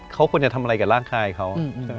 เขาควรจะทำอะไรกับร่างคายเขา